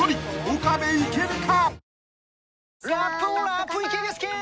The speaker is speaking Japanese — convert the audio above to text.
岡部いけるか！？］